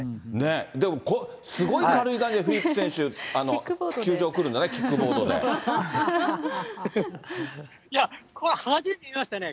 でもすごい軽い感じでフィリップス選手、球場来るんだね、いや、初めて見ましたね。